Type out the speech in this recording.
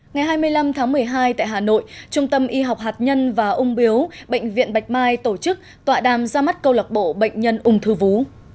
ngày hai mươi năm tháng một mươi hai tại hà nội trung tâm y học hạt nhân và ung biếu bệnh viện bạch mai tổ chức tọa đàm ra mắt câu lạc bộ bệnh nhân ung thư vú